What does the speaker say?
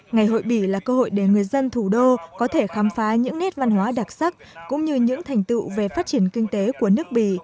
ngày hội bỉ là cơ hội để người dân thủ đô có thể khám phá những nét văn hóa đặc sắc cũng như những thành tựu về phát triển kinh tế của nước bỉ